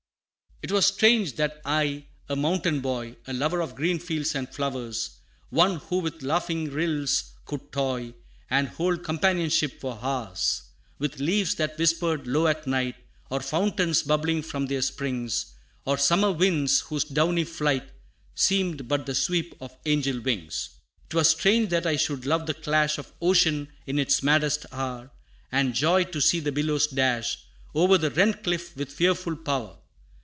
X. "'Twas strange that I, a mountain boy, A lover of green fields and flowers, One, who with laughing rills could toy, And hold companionship for hours, With leaves that whispered low at night, Or fountains bubbling from their springs, Or summer winds, whose downy flight, Seemed but the sweep of angel wings: 'Twas strange that I should love the clash Of ocean in its maddest hour, And joy to see the billows dash O'er the rent cliff with fearful power.